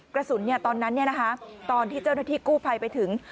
กระสุนตอนนั้นตอนที่เจ้าหน้าที่กู้ภัยไปถึง